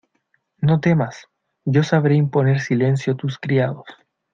no temas: yo sabré imponer silencio a tus criados.